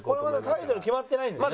タイトル決まってないんですね。